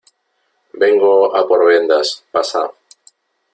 vengo a por vendas . pasa .